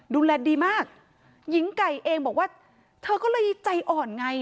ดูแลดีมากหญิงไก่เองบอกว่าเธอก็เลยใจอ่อนไง